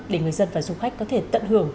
để người dân và du khách có thể tận hưởng